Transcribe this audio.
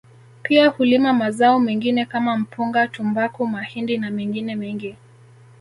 Pia hulima mazao mengine kama mpunga tumbaku mahindi na mengine mengi